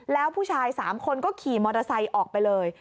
แล้วผู้ชาย๓คนก็ขี่มอเตอร์ไซค์ออกไปเลย